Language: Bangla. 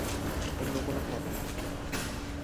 অন্য কোনো পথ নেই।